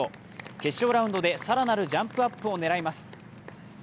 決勝ラウンドで更なるジャンプアップを狙います。